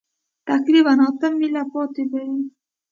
تقریباً اته مېله پاتې به وي.